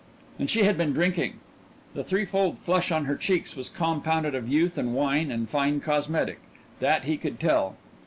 And she had been drinking. The threefold flush in her cheeks was compounded of youth and wine and fine cosmetic that he could tell.